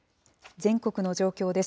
全国の状況です。